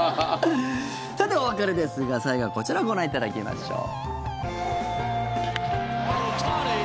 さて、お別れですが最後はこちらをご覧いただきましょう。